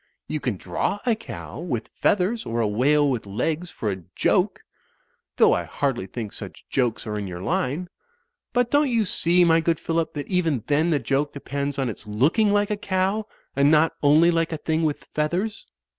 You can draw a cow with feathers or a whale with legs for a joke — ^though I hardly think such jokes are in your line. But don't you see, my good Phillip, that even then the joke de pends on its looking like a cow and not only like a thing with feathers.